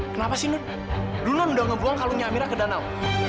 kenapa sih dulu udah ngebuang kalungnya amirah ke danau